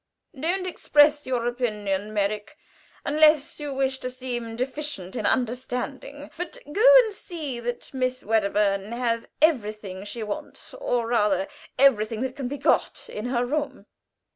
"Don't express your opinions, Merrick, unless you wish to seem deficient in understanding; but go and see that Miss Wedderburn has everything she wants or rather everything that can be got in her room.